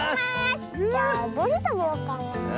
じゃあどれたべようかな？